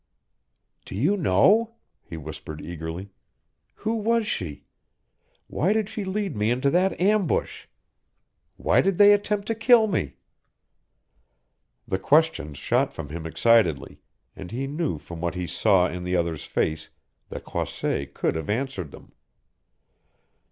"Do you know?" he whispered eagerly. "Who was she? Why did she lead me into that ambush? Why did they attempt to kill me?" The questions shot from him excitedly, and he knew from what he saw in the other's face that Croisset could have answered them.